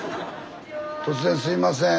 突然すいません。